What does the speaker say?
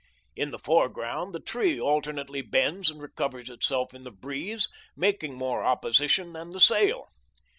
In the foreground the tree alternately bends and recovers itself in the breeze, making more opposition than the sail.